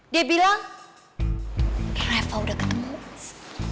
dia bilang kenapa udah ketemu mas